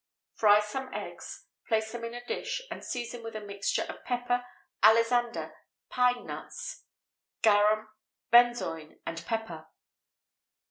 _ Fry some eggs; place them in a dish, and season with a mixture of pepper, alisander, pine nuts, garum, benzoin, and pepper.